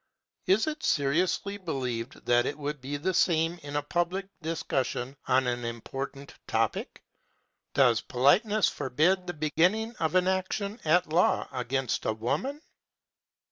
Is it seriously believed that it would be the same in a public discussion on an important topic? Does politeness forbid the bringing of an action at law against a woman?